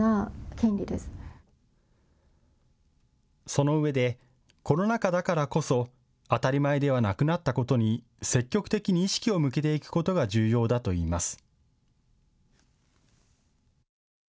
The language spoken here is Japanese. そのうえでコロナ禍だからこそ当たり前ではなくなったことに積極的に意識を向けていくことが重要だといいます。